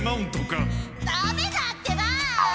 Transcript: ダメだってば！